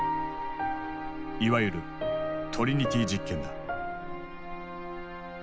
いわゆる「トリニティ実験」だ。